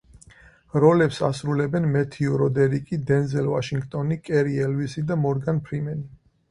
როლებს ასრულებენ: მეთიუ როდერიკი, დენზელ ვაშინგტონი, კერი ელვისი და მორგან ფრიმენი.